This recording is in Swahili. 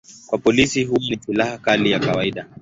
Kwa polisi huwa ni silaha kali ya kawaida.